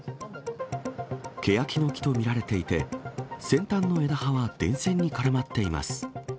けやきの木と見られていて、先端の枝葉は電線に絡まっています。